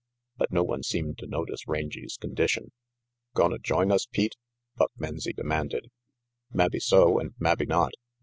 But no one seemed to notice Rangy's condition. "Gonna join us, Pete?" Buck Menzie demanded. 60 RANGY PETE "Mabbe so, and mabbe not.